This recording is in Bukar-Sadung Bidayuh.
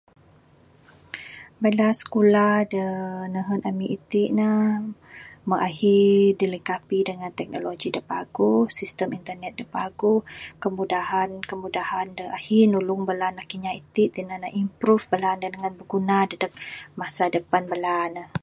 Bala skulah da nehen ami iti ne, meh ahi dilengkapi dengan teknologi da paguh, sistem internet da paguh, kemudahan kemudahan da ahi nulung bala anak inya iti tinan ne improve bala da dengan biguna dadeg masa depan bala ne.